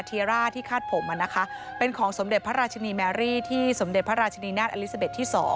เยร่าที่คาดผมเป็นของสมเด็จพระราชินีแมรี่ที่สมเด็จพระราชนีนาฏอลิซาเบ็ดที่๒